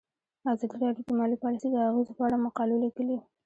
ازادي راډیو د مالي پالیسي د اغیزو په اړه مقالو لیکلي.